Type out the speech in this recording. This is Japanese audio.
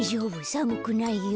さむくないよ。